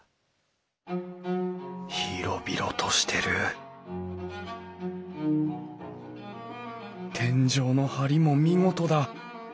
広々としてる天井の梁も見事だ！